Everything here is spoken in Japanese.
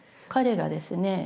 彼がですね